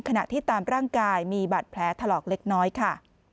ขณะที่ตามร่างกายมีบาดแผลถลอกเล็กน้อยค่ะ